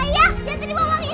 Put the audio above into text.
ayah jangan terima uang itu